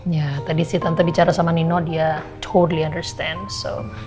ya tadi si tante bicara sama nino dia thod lenderstand so